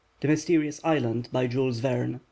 THE MYSTERIOUS ISLAND. By JULES VERNE.